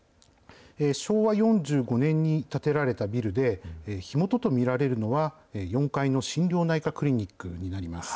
昭和４５年に建てられたビルで、火元と見られるのは、４階の心療内科クリニックになります。